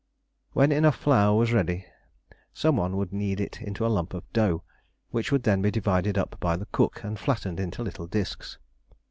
When enough flour was ready, some one would knead it into a lump of dough, which would then be divided up by the cook and flattened into little discs.